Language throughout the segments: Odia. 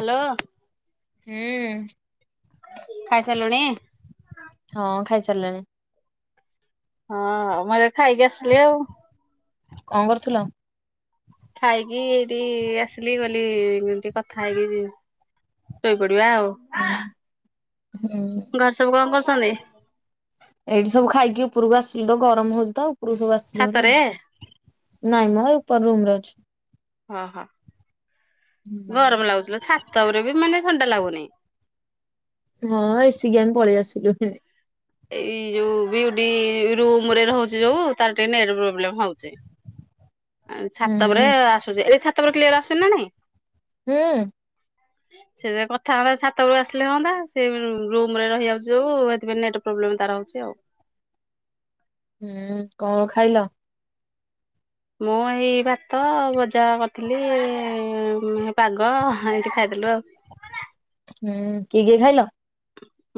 ହ୍ୟାଲୋ। ହୁଁ। ଖାଇସାରିଲୁଣି। ହଁ ଖାଇସାରିଲାଣି। ହଁ ମୁଁ ଯାଇ ଖାଇକି ଆସିଲି ଆଉ। କଣ କରୁଥିଲ? ଖାଇକି ଏଇଠି ଆସିଲି ବୋଲି ଟିକେ କଥା ହେଇକି ଯିବି। ଶୋଇ ପଡିବା ଆଉ। ହୁଁ ହୁଁ। ଘରେ ସବୁ କଣ କରୁଛନ୍ତି? ଏଇଠି ସବୁ ଖାଇକି ଉପରକୁ ଆସିଲୁ ତ ଗରମ ହଉଛି ତ ଉପକୁ ସବୁ ଆସ୍ ଛାତରେ? ନାଇଁ ମ ଉପର ରୁମରେ ଅଛି। ଓହୋ ହୁଁ। ଗରମ ଲାଗୁଥିଲା ଛାତ ଉପରେ ବି ମାନେ ଥଣ୍ଡା ଲାଗୁନିଁ। ହଁ ଏସିକି ଆମେ ପଳେଇ ଆସିଲୁ। ଏଇ ଯୋଉ ବିୟୁଟି ରୁମରେ ରହୁଛି ଯୋଉ ତାର ଟିକେ ନେଟ୍ ପ୍ରୋବ୍ଲେମ ହଉଛି। ଆ ହୁଁ ଛାତ ପରେ ଆସୁଛି ଏଲେ ଛାତ ପରେ କ୍ଲିୟର ଆସୁନି ନା ନାଇଁ। ହୁଁ। ହ ସେ ଜାହା କଥା ହବା ଛାତଉପରୁ ଆସିଲେ ହଅନ୍ତା ସେ ରୁମରେ ରହିିଯାଉଚି ଯଉ ହେଥିପାଇଁ ନେଟ ପ୍ରୋବଲେମ ତାର ହଉଛି ଆଉ। ହୁଁ କଣ କଣ ଖାଇଲ? ମୁଁ ଏଇ ଭାତ ବଜା କରିଥିଲି ଇ ପାଗ ଇନ୍ତି ଖାଇଦେଲୁ ଆଉ। ହୁଁ କିଏ କିଏ ଖାଇଲ?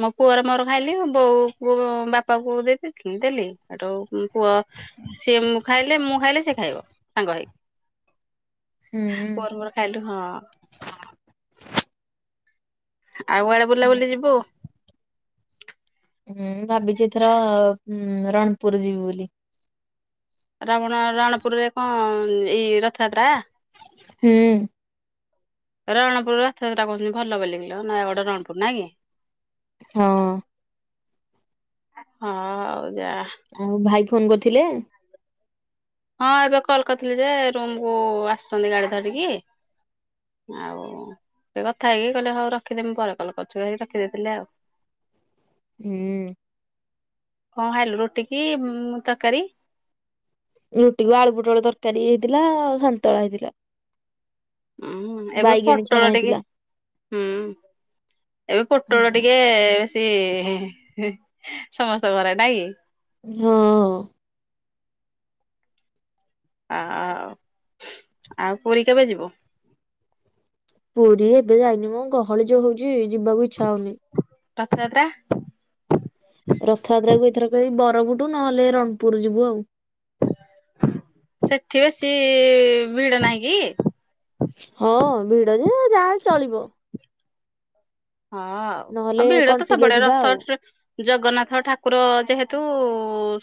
ମୋ ପୁଅର ମୋର ଖାଇଲୁ ବୋଉ ବାପା କୁ ଦେଇ ଦେଇଥିଲି ଦେଲିନି। ହେଠୁ ମୋ ପୁଅ ସିଏ ମୁଁ ଖାଇଲେ ମୁଁ ଖାଇଲେ ସିଏ ଖାଇବ ସାଙ୍ଗ ହୁଁ ହେଇକି ପୁଅର ମୋର ଖାଇଲୁ ହଁ। ଆଉ କୁଆଡେ ବୁଲାବୁଲି ଯିବୁ? ହୁଁଁ ଭାବିଛି ଏଥର ରଣପୁର ଯିବି ବୋଲି। ରାବଣ ରଣପୁରରେ କଣ ଏଇ ରଥଯାତ୍ରା। ହୁଁ। ରଣପୁର ରଥଯାତ୍ରା କହୁଛନ୍ତି ଭଲ ବୋଲି କିଲୋ ନା ଗୋଟେ ରଣପୁର ନାଇଁ କି ହଁ। ହଁ ଆଉ ଜା। ଆଉ ଭାଇ ଫୋନ କରିଥିଲେ? ହଁ ଏବେ କଲ କରିଥିଲି ଯେ ରୁମକୁୁ ଆସିଛନ୍ତି ଗାଡି ଧରିକି। ଆଉ ସେ କଥା ହେଇକି କହିଲେ ହଉ ରଖିଦେ ମୁଁ ପରେ କଲ କରଚି କଇକି ରଖିଦେଇଥିଲି ଆଉ। ହୁଁ। ହଁ ଖାଇଲୁ ରୁଟି କି ତରକାରୀ? ରୁଟିକୁ ଆଳୁ ପୁଟଳ ତରକାରୀ ହେଇଥିଲା ଆଉ ସନ୍ତଳା ହେଇଥିଲା। ହୁଁ ଏବେ ବାଇଗେଣୀ ଛଣା ପୋଟଳ ଟିକେ ହେଇଥିଲା। ହୁଁ ଏବେ ପୋଟଳ ଟିକେ ବେଶୀ ସମସ୍ତ ଘରେ ନାଇଁ କି? ହଁ। ଆ ଆଉ ପୁରୀ କେବେ ଯିବ? ପୁରୀ ଏବେ ଯାଇନି ମ ଗହଳି ଯୋଉ ହଉଛି ଯିବାକୁ ଇଚ୍ଛା ହଉନି। ରଥଯାତ୍ରା। ରଥଯାତ୍ରା କୁ ଏଥର କହିବି ବରକୁଟୁ ନହେଲେ ରଣପୁର ଯିବୁ ଆଉ। ସେଠି ବେଶୀ ଭିଡ ନାହିଁ କି? ହଁ ଭିଡ଼ ଯେ ଯାହାଲେ ଚଳିବ। ହଁ ଆଉ ଆ ନହେଲେ ଭିଡ ତ କଣ୍ଟିଲୋ ସବୁଆଡେ ଯିବା ଆଉ। ରଥଯାତ୍ର ଜଗନ୍ନାଥ ଠାକୁର ଯେହେତୁ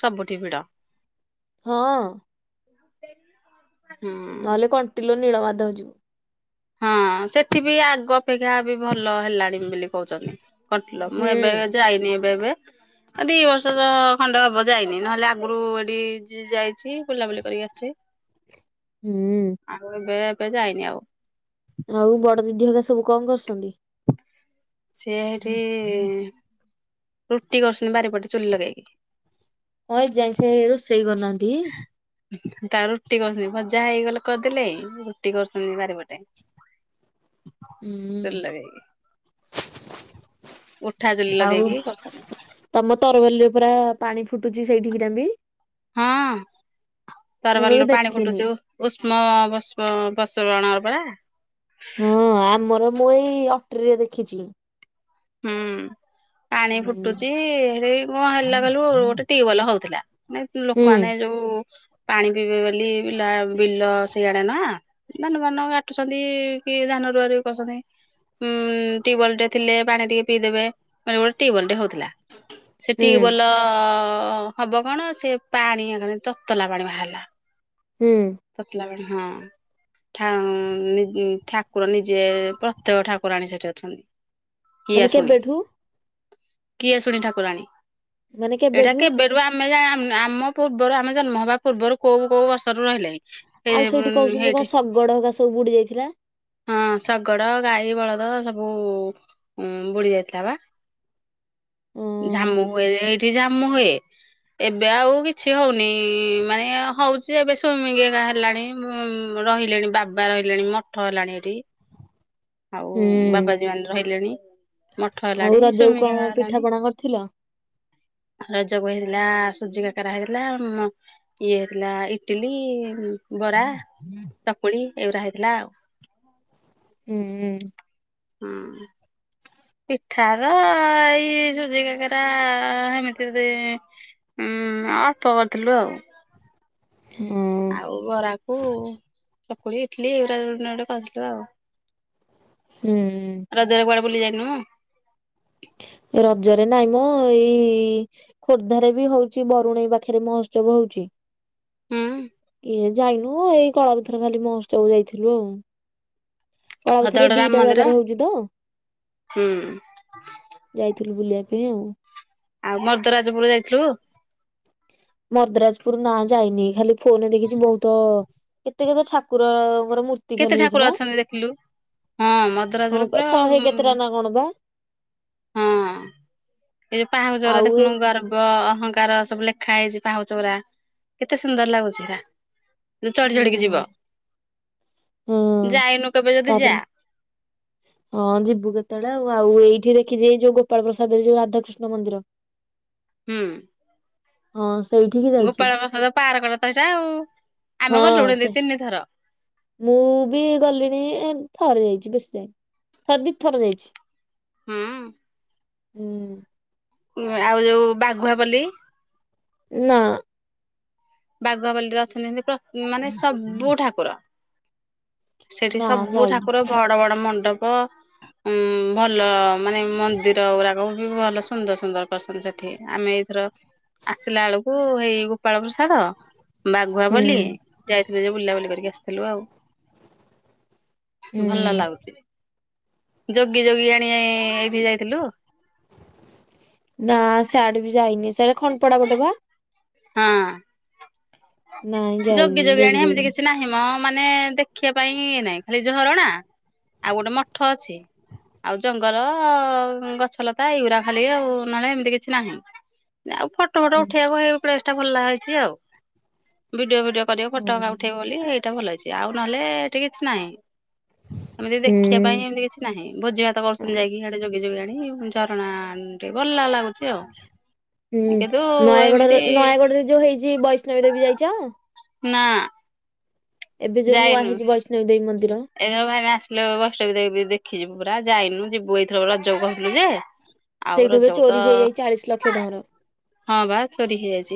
ସବୁଠି ଭିଡ। ହଁ। ହୁଁ। ନହେଲେ କଣ୍ଟିଲୋ ନୀଳ ମାଧଧ ଯିବୁ। ହଁ ସେଠିବି ଆଗ ଅପେକ୍ଷା ବି ଭଲ ହେଲାଣି ବୋଲି କହୁଛନ୍ତି। କଣ୍ଟିଲ ମୁଁ ହୁଁ। ଏବେ ଯାଇନି ଏବେ ଏବେ। ଆ ଦି ବର୍ଷ ତ ଖଣ୍ଡେ ହବ ଯାଇନି ନହେଲେ ଆଗରୁ ଏଟି ଯାଇଛି ବୁଲାବୁଲି କରିକି ଆସିଛି। ହୁଁ। ଆଉ ଏବେ ଏବେ ଯାାଇନି ଆଉ। ଆ ବଡ଼ ଦିଦି ହେରିକା ସବୁ କଣ କରୁସନ୍ତି? ସିଏ ହେଠି ରୁଟି କରୁସନ୍ତି ବାରିପଟେ ଚୁଲି ଲଗେଇକି। ହଁ ଏ ଯାଏଁ ସେ ରୋଷେଇ କରିନାହାନ୍ତି? ତାଙ୍କର ରୁଟି କରୁଛନ୍ତି ଭଜା ହେଇଗଲେ କରିଦେଲେ ରୁଟି କରୁଛନ୍ତି ବାରିପଟେ। ଚୁଲି ହୁଁ ଲଗେଇ କି। ଉଠା ଚୁଲି ଆଉ ଲଗେଇକି କରୁଛନ୍ତି। ତମ ତରବିଲିରେ ପୁରା ପାଣି ଫୁଟୁଛି ସେଇଠି ହିରଣ ଦେଇ? ହଁ ମୁଁ କେବେ ତରବାଲିରୁ ପାଣି ଦେଖିନି। ଫୁଟୁଛି। ଉଷ୍ମ ବସ୍ମ ବସବଣର ପରା। ହଁ ଆମର ମୁଁ ଏଇ ଅଟ୍ରିରେ ଦେଖିଛି। ହୁଁ ପାଣି ହୁଁ ଫୁଟୁଛି ହେଇ କଣ ହେଲା କହିଲୁ ଗୋଟେ ଟ୍ୟୁଅଲ ହଉଥିଲା। ନାଇଁ ଲୋକ ଆନେ ଯୋଉ ପାଣି ପିଇବେ ବୋଲି ବିଲଆ ବିଲ ସେଇଆଡେ ନା। ଧାନ ମାନ କାଟୁଚନ୍ତି କି ଧାନ ରୁଆ ରୁଇ କରୁଛନ୍ତି ଉଁ ଟିୱଲ୍ ଟେ ଥିଲେ। ପାଣି ଟିକେ ପିଇଦେବେ ମାନେ ଗୋଟେ ଟ୍ୟୁଅଲ୍ ଟେ ହଉଥିଲା ସେ ହୁଁ। ଟ୍ୟୁଅଲ। ହବ କଣ ସେ ପାଣି ତତଲା ପାଣି ବାହାରିଲା। ହୁଁ। ତତଲା ପାଣି ହଁ। ଠାଉଁ ନି ଠାକୁର ନିଜେ ପ୍ରତ୍ୟେକ ଠାକୁରାଣୀ ସେଠି ଅଛନ୍ତି। ମାନେ କିଆଶୁଣି କେବେଠୁ କିଏଶୁଣି ଠାକୁରାଣୀ ମାନେ ଏଟା କେବେଠୁ କେବେ ତବଳୁ ଆମେଯା ଆମ୍ ଆମ ପୂର୍ବରୁ ଆମେ ଜନ୍ମ ହେବା ପୂର୍ବରୁ କୋଉ କୋଉ ବର୍ଷରୁ ରହିଲେଣି। ଆଉ ସେଇଠି କହୁଛନ୍ତି କଣ ଶଗଡ ହକା ସବୁ ବୁଡି ଯାଇଥିଲା। ହଁ ଶଗଡ ଗାଈ ବଳଦ ସବୁ ବୁଡି ଯାଇଥିଲା ବା। ଜାମୁ ହୁଏ ଯେ ଏଠ ଠି ଝାମୁ ହୁଏ ଏବେ ଆଉ କିଛି ହଉନି ମାନେ ହଉଛି ଯେ ଏବେ ସ୍ବୀମିଙ୍ଗ ଏ ବାହାରିଲାଣି ମୁଁ ରହିଲେଣି ବାବା ରହିଲେଣି ମଠ ହେଲାଣି ଏଠି। ଆଉ ହୁଁ। ବାବାଜୀ ମାନେ ରହିଲେଣି ମଠ ଆଉ ହେଲାଣି ରଜକୁ କଣ ସୁମିଙ୍ଗଆ ପିଠା ହେଲାଣି। ପଣା କରିଥିଲ? ରଜକୁ ହେଇଥିଲା ସୁଜି କାକେରା ହେଇଥିଲା ମ ଇଏ ହେଇଥିଲା ଇଟିଲି ବରା ଚକୁଳି ଏଇଗୁଡା ହେଇଥିଲା ଆଉ। ହୁଁ ଉଁ। ହୁଁ। ପିଠା ରା ଏଇ ସୁଜି କାକରା ହେମିତି ଉଁ ଅଳ୍ପ କରିଥିଲୁ ଆଉ। ହଁ। ଆଉ ବରାକୁ ଚକୁଳି ଇଟିଲି ଏଉରା ଉନା ଗୋଟେ କରିଦେଲୁ ଆଉ। ହୁଁ। ରଜ କୁ କୁଆଡେ ବୁଲି ଯାଇନୁ? ଏ ରଜରେ ନାଇଁ ମୋ ଏଇ ଖୋର୍ଦ୍ଧାରେ ବି ହଉଚି ବରୁଣେଇ ପାଖରେ ମହୋତ୍ସବ ହଉଚି। ହୁଁ ଇଏ ଯାଇନୁ ଏଇ କଳାପଥର ଖାଲି ମହୋତ୍ସବକୁ ଯାଇଥିଲୁ ଆଉ। କଳାପଥରେ ଭଦ୍ରଗଡ ରାମ ଦିଟା ମନ୍ଦିର ଜାଗାରେ ହଉଚି ତ। ହୁଁ ଯାଇଥିଲୁ ବୁଲିବା ପାଇଁ ଆଉ। ଆଉ ମରଦରାଜପୁର ଯାଇଥିଲୁ? ମର୍ଦ୍ରାଜପୁର ନାଁ ଯାଇନି ଖାଲି ଫୋନରେ ଦେଖିଚି ବହୁତ କେତେ କେତେ ଠାକୁରଙ୍କର ମୂର୍ ତି କେତେ ଖାଲି ହେଇଚି ଠାକୁର ନା ଅଛନ୍ତି ଦେଖିଲୁ ହଁ ମର୍ଦ୍ଦରାଜପୁର ପୁରା ଶହେ ହଁ କେତେଟା ନା କଣ ବା। ଏଇ ଯୋଉ ପାହୁଚର ଆଉ ଏ ଦେଖୁନୁ ଗାରମ୍ ଗୋ ଅହଂଙ୍କାର ସବୁ ଲେଖା ହେଇଚି ପାହୁଚ ଗୁରା କେତେ ସୁନ୍ଦର ଲାଗୁଛି ହେରା। ଚଢି ଚଢିକି ଯିବ ହୁଁ ହଁ ଯାଇନୁ କେବେ ଯଦି ଯା। ତାପରେ ହଁ ଯିବୁ କେତେ ବେଳେ ଆଉ ଆଉ ଏଇଠି ଦେଖିଛି ଏଇ ଯୋଉ ଗୋପାଳ ପ୍ରସାଦରେ ଯୋଉ ରାଧାକୃଷ୍ଣ ମନ୍ଦିର। ହୁଁ। ହଁ ସେଇଠିକି ଯାଇଛି ଗୋପାଳ ପ୍ରସାଦ ପାର୍କଟା ତ ସେଇଟା ଆଉ ହଁ ଆମେ ଗଲୁଣି ସେ ଦି ତିନି ଥର। ମୁଁ ବି ଗଲିଣି ଥରେ ଯାଇଛି ବେଶୀ ଯାଇିନି ଥର ଦି ଥର ଯାଇଛି। ହୁଁ। ହୁଁ। ଉଁ ଆଉ ଯୋଉ ବାଘୁଆପାଲି। ନା। ବାଘୁଅପାଲିରେ ଅଛନ୍ତି ସେନ୍ତି ମାନେ ସବୁ ଠାକୁର। ସେଠି ନା ସବୁ ଯାଇନି ଠାକୁର ବଡ ବଡ ମଣ୍ଡପ ଉଁ ଭଲ ମାନେ ମନ୍ଦିର ଗୁଡାକ ବି ଭଲ ସୁନ୍ଦର ସୁନ୍ଦର। ପ୍ରଶାନ୍ତ ସେଠି ଆମେ ଏଇଥର ଆସିଲା ବେଳକୁ ଏଇ ଗୋପାଳ ପ୍ରସାଦ ହୁଁ ବାଘୁଆପାଲି ଯାଇଥିଲୁ ଯେ ବୁଲାବୁଲି କରିକି ଆସିଥିଲୁ ଆଉ। ହୁଁ ଭଲ ଲାଗୁଛି ଯୋଗୀ ଯୋଗିଆଣି ଏଇଠି ଯାଇଥିଲୁ? ନା ସିଆଡେ ବି ଯାଇନି। ସେଟା ଖଣ୍ଡପଡା ବିଲ୍ ବା? ହଁ। ନାଇଁ ଯୋଗୀ ଯାଇନି ଜଗି ଯୋଗିଆଣୀ ହେମିତି ଜଗି କିଛି ନାହିଁ ମ ମାନେ ଦେଖିବା ପାଇଁ ଇ ନାଇଁ ଖାଲି ଝରଣା ଆଉ ଗୋଟେ ମଠ ଅଛି। ଆଉ ଜଙ୍ଗଲ ଗଛଲତା ଏଇଗୁରା ଖାଲି ଆଉ ନହେଲେ ଏମିତି କିଛି ନାହିଁ। ଆଉ ଫଟୋ ଫଟ ଉଠେଇବାକୁ ହେଇ ପ୍ଲେସ ଟା ଭଲ ହେଇଛି ଆଉ। ଭିଡିଓ ଫିଡିଓ କରିବା ଫଟୋ ହେଇକା ହୁଁ ଉଠେଇବ ବୋଲି ଏଇଟା ଭଲ ହେଇଛି, ଆଉ ନହେଲେ ଏଠି କିଛି ନାହିଁ। ଏମିତି ଦେଖିବା ପାଇଁ ଏମିତି କିଛି ନାହିଁ ଭୋଜି ଭାତ ହୁଁ କରୁଛନ୍ତି ଯାଇକି ସିଆଡେ ଯୋଗୀ ଯୋଗିଆଣି ଝରଣା ଭଲ ଲାଗୁଛି। ଆଉ। ହୁଁ କିନ୍ତୁ ନୟାଗଡର ଏମିତି ନୟାଗଡରେ ଯୋଉ ହେଇଛି ବୈଷ୍ଣବୀ ଦେବୀ ଯାଇଛ? ନା। ଏବେ ଯୋଉ ନୂଆ ହେଇଛି ବୈଷ୍ଣବୀ ଦେବୀ ମନ୍ଦିର। ଏଇ ଯୋଉ ଭାଇନା ଆସିଲେ ବୈଷ୍ଟବି ଦେବୀ ଦେଖିଯିବୁ ପୁରା ଯାଇନୁ ଯିବୁ ଏଇଥର ରଜକୁ କହୁଥିଲୁ ଯେ ଆଉ ସେଇଠୁ ଏବେ ରଜକୁ ତ ଚୋରି ହେଇଯାଇଚି ଚାଳିଶ ଲକ୍ଷ ଟଙ୍କାର। ହଁ ବା ଚୋରି ହେଇଯାଇଛି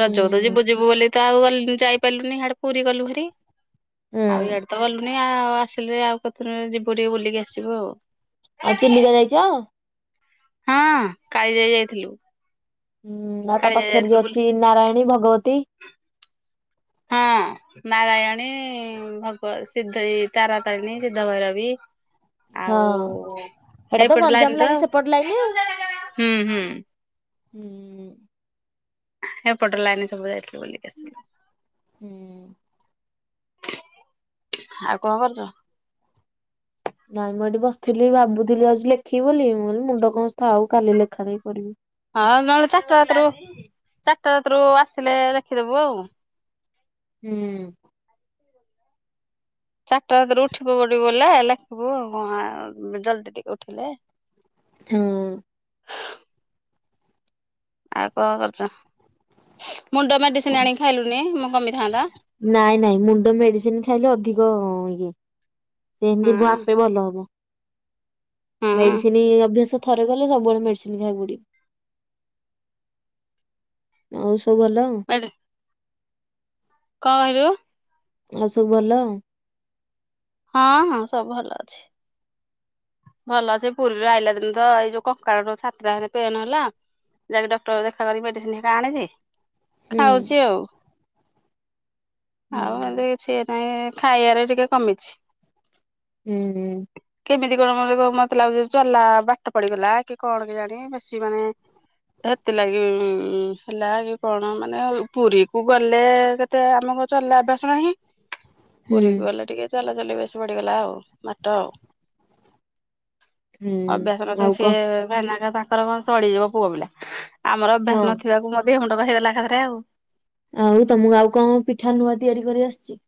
ରଜକୁ ତ ହୁଁ। ଯିବୁ ଯିବୁ ବୋଲି ତ ଆଉ ଗଲ ଯାଇପାରିଲୁନି ଇଆଡେ ପୁରୀ ଗଲୁ ଭାରି ଆଉ ହୁଁ ଇଆଡେ ତ ଗଲୁନି। ନାଇଁ ଆଉ ଆସିଲେ ଆଉ କଥା ଦିନ ଯିବୁ ଟିକେ ବୁଲିକି ଆସିବୁ ଆଉ। ଆଉ ଚିଲିକା ଯାଇଚ? ହଁ କାଳିଜାଇ ଯାଇଥିଲୁ। ହୁଁ ଆଉ ତା କାଳିଜାଇ ପାଖରେ ଯାଇଥିଲୁ ଯୋଉ ବୁଲି ଅଛି ନାରାୟଣୀ, ଭଗବତୀ ହଁ। ନାରାୟଣୀ, ଭଗବ, ସିଦ୍ଧ, ତାରାତାରିଣୀ ସିଦ୍ଧ ଭୈରବୀ ହଁ ଆଉ ହେଟା ତ ହେଇପଟ ଲାଇନ ଗଞ୍ଜାମ ତ ଲାଇନ୍ ସେପଟ ଲାଇନ୍ ଆଉ। ହୁଁ ହୁଁ ହୁଁ। ସେପଟ ଲାଇନ ସବୁ ଯାଇଥିଲୁ ବୁଲିକି ଆସିଲୁ। ହୁଁ। ଆଉ କଣ କରୁଛ? ନାଇଁ ମୁଁ ଏଇଠି ବସିଥିଲି ଭାବୁଥିଲି ଆଉ ଆଜି ଲେଖିବି ବୋଲି ମୁଁ କହିଲି ମୁଣ୍ଡ କଣ ହଉଚି ଥାଉ କାଲି ଲେଖା ଲେଖି କରିବି। ହଁ ନହେଲେ ଚାରିଟା ରାତିରୁ ଚାରିଟା ରାତିରୁ ଆସିଲେ ଲେଖିଦବୁ ଆଉ। ହୁଁ। ଚାରିଟା ରାତି ରେ ଉଠି ପଡ଼ିବୁ ବେଲେ ଲେଖିବୁ ଆଉ କଣ ଜଲଦି ଟିକେ ଉଠିଲେ ହୁଁ ହୁଁ। ଆଉ କଣ କରୁଛ ମୁଣ୍ଡ ମେଡିସିନ ଆଣିକି ଖାଇଲୁନି ମୁଁ କମିଥାନ୍ତା। ନାଇଁ ନାଇଁ ମୁଣ୍ଡ ମେଡିସିନ ଖାଇଲେ ଅଧିକ ଇଏ ହୁଁ ସେମିତି ଆପେ ଭଲ ହେବ। ହୁଁ। ମେଡିସିନ ଅଭ୍ୟାସ ଥରେ କଲେ ସବୁବେଳେ ମେଡିସିନ ଖାଇକୁ ପଡିବ। ଆଉ ସବୁ ଭଲ? ବଡ଼ [inaudible] କଣ କହିଲୁ? ଆଉ ସବୁ ଭଲ? ହଁ ହଁ ସବୁ ଭଲ ଅଛି। ଭଲ ଯେ ପୁରୀରୁ ଆଇଲା ଦିନ ତ ଏଇ ଯୋଉ କକାର ଛାତି ଟା ଖାଲି ପେନ୍ ହେଲା। ଯାଇକି ଡକ୍ଟର ଦେଖାକ କରିକି ମେଡିସିନ ହେରା ଆଣିଛି। ହୁଁ ଖାଉଛି ଆଉ ହୁଁ ଆଉ ଏ ନ୍ତୀ ସିଏ ନହିଁ ଖାଇବାରେ ଟିକେ କମିଛି। ହୁଁ କେମିତି? ମତେ ଲାଗୁଛି ଚଲା ବାଟ ପଡିଗଲା କି କଣ କେଜାଣି ବେଶୀ ମାନେ ହେଥିଲାଗି ଉ ହେଲା କି କଣ ମାନେ ପୁରୀ କୁ ଗଲେ ଏତେ ଆମକୁ ଚଲା ଅଭ୍ୟାସ ନାହିଁ। ହୁଁ ପୁରୀକୁ ଗଲେ ଟିକେ ଚଲାଚଲି ବେଶୀ ବଢିଗଲା ଆଉ ବାଟ ଆଉ। ଅଭ୍ୟାସ ହୁଁ ନଥା ଆଉ ସିଏ କଣ ଭାଇନା ହିଁକ ତାଙ୍କର କ ସଡିଯିବ ପୁଅ ପିଲା ଆମର ହଁ ଅଭ୍ୟାସ ନଥିବାକୁ ମେ ଦେହ ମୁଣ୍ଡ କନ୍ ହେଇଗଲା ଏକାଥରେ। ଆଉ ତମକୁ ଆଉ କଣ ପିଠା ନୂଆ ତିଆରି କରି ଆସିଛି?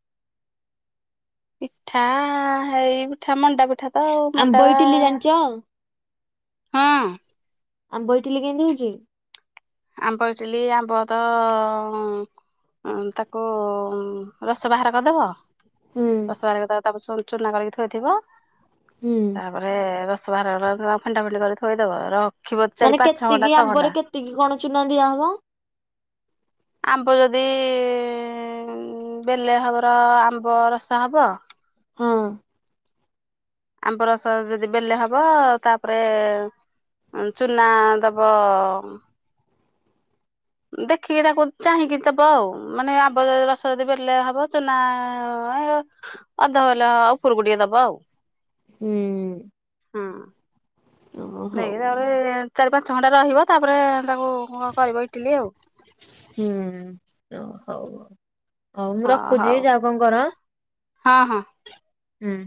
ପିଠା ହେଇ ପିଠା ମଣ୍ଡା ପିଠ ପିଠା ତ ଆଉ ଆମ୍ବ ମଣ୍ଡା ଇଟିଲି ଜାଣିଛ ହଁ ଆମ୍ବ ଇଟିଲି କେମିତି ହଉଛି ଆମ୍ବ ଇଟିଲି ଆମ୍ବ ତ ଉଁ ତାକୁ ରସ ବାହାର କରିଦବ ହୁଁ ରସ ବାହାର କରିକି ତାପରେ ଚୁନା କରିକି ଥୋଇଥିବ। ହୁଁ ତାପରେ ରସ ବାହାରିଗଲାପରେ ଫେଣ୍ଟା ଫେଣ୍ଟି କରି ଥୋଇଦବ। ରଖିବ ଚାରି ପାଞ୍ଚ ଛ ଘଣ୍ଟା ଛଅ ଘଣ୍ଟା। ତିକି କଣ ଚୁନା ଦିଆହବ? ଆମ୍ବ ଯଦି ବେଲେ ହବର ଆମ୍ବ ରସ ହବ ହଁ। ଆମ୍ବ ରସ ଯଦି ବେଲେ ହବ ତାପରେ ଚୁନା ଦବ ଦେଖିକି ତାକୁ ଚାହିଁକି ଦେବ ଆଉ ମାନେ ଆବ ଯି ରସ ଯଦି ବେଳେ ହବ ଚୁନା ଅଧ ବେଲା ଉପରକୁୁ ଟିକେ ଦବ। ହୁଁ। ହଁ। ଓ ନେଇକି ହଉ ହଉ ତାପରେ ଚାରି ପାଞ୍ଚ ଘଣ୍ଟା ରହିବ ତାପରେ ତାକୁ କରିବ ଇଟିଲି। ହୁଁ ହଉଉ ହଉ ମୁଁ ହଁ ରଖୁଛି ହଉ ଯାାଉ କଣ କର। ହଁ ହଁ। ହୁଁ